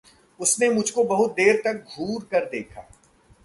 उसने मुझको बहुत देर तक घूरकर देखा।